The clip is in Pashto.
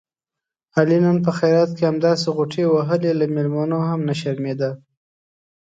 علي نن په خیرات کې همداسې غوټې وهلې، له مېلمنو هم نه شرمېدا.